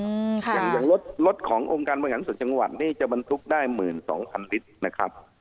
อย่างรถของโรงการบริหารสดจังหวัดนี่จะบรรทุกได้๑๒๐๐๐ลิตรนะครับ